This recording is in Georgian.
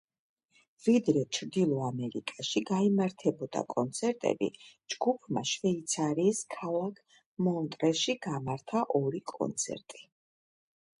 ვიდრე ჩრდილო ამერიკაში გაიმართებოდა კონცერტები, ჯგუფმა შვეიცარიის ქალაქ მონტრეში გამართა ორი კონცერტი.